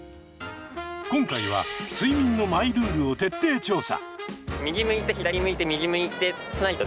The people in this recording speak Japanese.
今回は睡眠のマイルールを徹底調査。